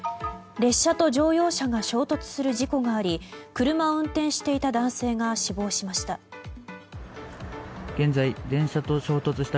列車と乗用車が衝突する事故があり車を運転していた男性が死亡しました。